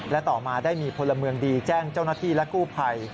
และต่อมาได้มีพลเมืองดีแจ้งเจ้าหน้าที่และกู้ภัย